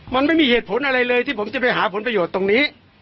มันไม่มีเหตุผลอะไรเลยที่ผมจะไปหาผลประโยชน์ตรงนี้